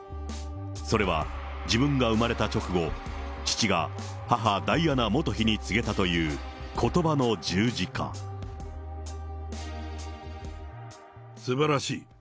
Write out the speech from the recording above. それは、自分が産まれた直後、父が母、ダイアナ元妃に告げたということばすばらしい。